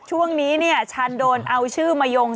ช่วงนี้เนี่ยฉันโดนเอาชื่อมายง